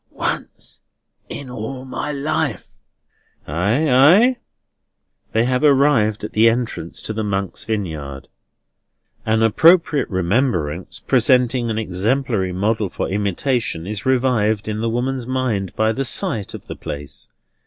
"Once in all my life." "Ay, ay?" They have arrived at the entrance to the Monks' Vineyard. An appropriate remembrance, presenting an exemplary model for imitation, is revived in the woman's mind by the sight of the place.